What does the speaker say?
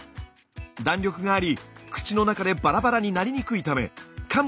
弾力があり口の中でバラバラになりにくいためかむ